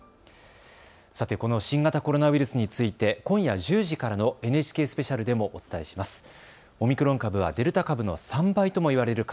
さて、この新型コロナウイルスについて今夜１０時からのＮＨＫスペシャルでもお伝えします。